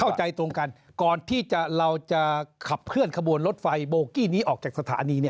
เข้าใจตรงกันก่อนที่เราจะขับเคลื่อนขบวนรถไฟโบกี้นี้ออกจากสถานี